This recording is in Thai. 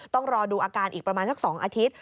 ต้องรอดูอาการอีกประมาณสัก๒อาทิตย์